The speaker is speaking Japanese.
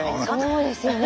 そうですよね。